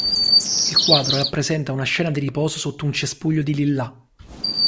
Il quadro rappresenta una scena di riposo sotto un cespuglio di lillà.